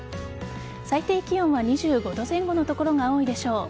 最低気温は２５度前後の所が多いでしょう。